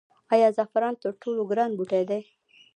آیا زعفران تر ټولو ګران بوټی دی؟